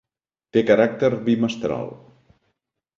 Té caràcter bimestral.